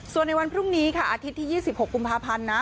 ส่วนในวันพรุ่งนี้ค่ะอาทิตย์ที่๒๖กุมภาพันธ์นะ